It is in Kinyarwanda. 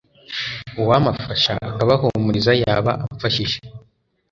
uwamafasha akabahumuriza yaba amfashije.